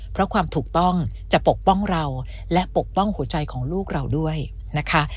เพราะความถูกต้องจะปกป้องเราและปกป้องหัวใจของลูกเราด้วยนะคะ